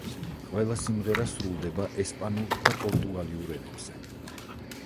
ყველა სიმღერა სრულდება ესპანურ და პორტუგალიურ ენებზე.